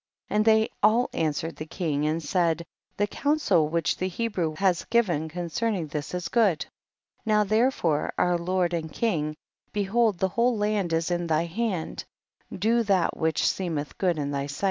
6. And they all answered the king and said, the counsel which the He brew has given concerning this is good ; now therefore, our lord and king, behold the whole land is in thy hand, do that which scemeth good in thy sight.